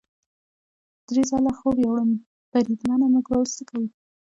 درې ځله خوب یووړم، بریدمنه موږ به اوس څه کوو؟